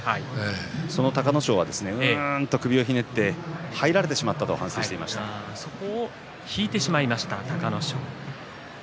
隆の勝、うーんと首をひねって入られてしまったとそこを引いてしまいました隆の勝。